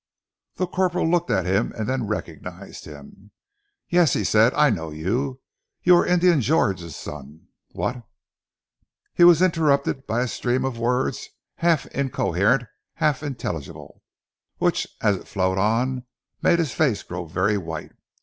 The corporal looked at him and then recognized him. "Yes," he said, "I know you. You are Indian George's son. What " He was interrupted by a stream of words, half incoherent, half intelligible, which, as it flowed on, made his face go very white.